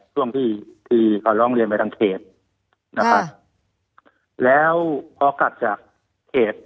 ช่วงที่คือเขาร้องเรียนไปทางเขตนะครับแล้วพอกลับจากเขต